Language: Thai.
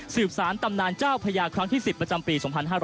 สารตำนานเจ้าพญาครั้งที่๑๐ประจำปี๒๕๕๙